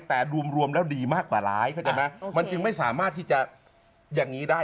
แต่รวมแล้วดีมากกว่าร้ายเข้าใจไหมมันจึงไม่สามารถที่จะอย่างนี้ได้